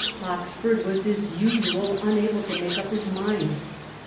Oxford was as usual unable to make up his mind.